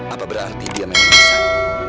apa berarti dia memanggil iksan